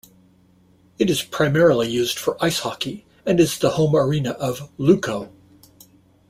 It is primarily used for ice hockey, and is the home arena of Lukko.